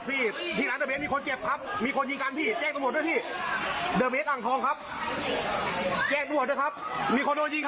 แจ้งตัวหมดด้วยครับมีคนโดนยิงครับพี่